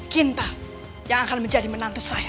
cinta yang akan menjadi menantu saya